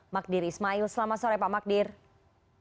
mbak diri ismail selamat sore pak mbak diri